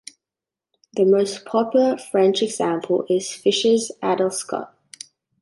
The most popular French example is Fischer's Adelscott.